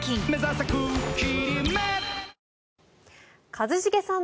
一茂さん